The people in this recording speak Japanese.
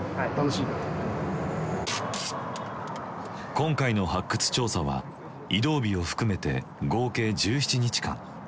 今回の発掘調査は移動日を含めて合計１７日間。